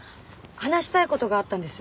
話したい事があったんです。